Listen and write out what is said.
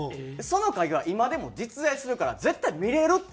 その影は今でも実在するから絶対見れるっていう。